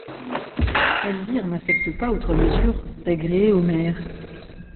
Elvire n'affecte pas outre mesure d'agréer Omer.